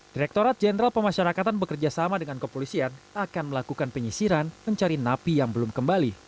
direkturat jenderal pemasyarakatan bekerjasama dengan kepolisian akan melakukan penyisiran mencari napi yang belum kembali